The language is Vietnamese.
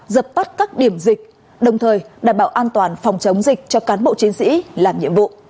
dập tắt các điểm dịch đồng thời đảm bảo an toàn phòng chống dịch cho cán bộ chiến sĩ làm nhiệm vụ